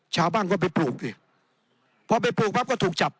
ชาวบ้านก็ไปปลูกดิพอไปปลูกปั๊บก็ถูกจับ